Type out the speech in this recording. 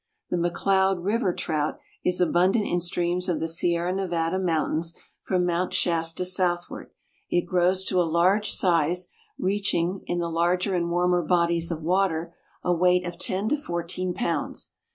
The McCloud River Trout is abundant in streams of the Sierra Nevada Mountains from Mt. Shasta southward. It grows to a large size, reaching, in the larger and warmer bodies of water, a weight of ten to fourteen pounds.